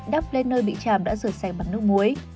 đắp lên nơi bị chàm đã rửa xe bằng nước muối